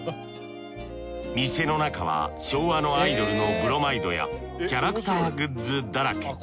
店の中は昭和のアイドルのブロマイドやキャラクターグッズだらけ。